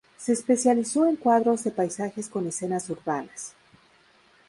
Se especializó en cuadros de paisajes con escenas urbanas.